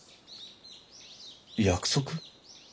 約束？